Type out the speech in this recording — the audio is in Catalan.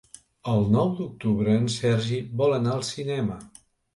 El nou d'octubre en Sergi vol anar al cinema.